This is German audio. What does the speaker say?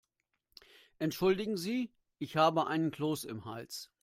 Entschuldigen Sie, ich habe einen Kloß im Hals.